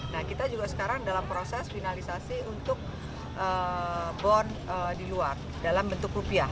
nah kita juga sekarang dalam proses finalisasi untuk bond di luar dalam bentuk rupiah